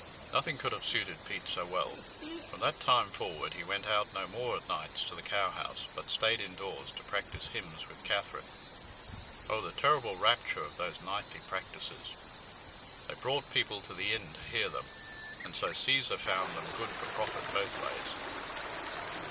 Nothing could have suited Pete so well. From that time forward he went out no more at nights to the cowhouse, but stayed indoors to practise hymns with Katherine. Oh, the terrible rapture of those nightly "practices!" They brought people to the inn to hear them, and so Cæsar found them good for profit both ways.